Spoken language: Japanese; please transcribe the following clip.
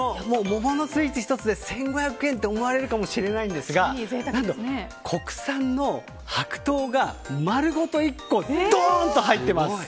桃のスイーツ１つで１５００円？って思われるかもしれないんですが何と国産の白桃が丸ごと１個どーんと入ってます。